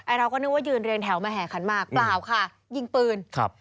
เราก็นึกว่ายืนเรียงแถวมาแห่ขันมากเปล่าค่ะยิงปืนครับ